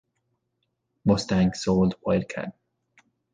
Mustang sold Wildcat!